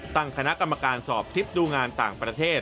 ตั้งคณะกรรมการสอบทริปดูงานต่างประเทศ